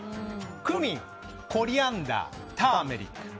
クミン、コリアンダーターメリック。